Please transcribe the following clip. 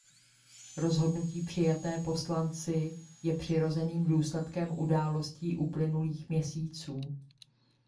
Rozhodnutí přijaté poslanci je přirozeným důsledkem událostí uplynulých měsíců.